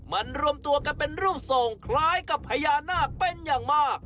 มันรวมตัวกันเป็นรูปทรงคล้ายกับพญานาคเป็นอย่างมาก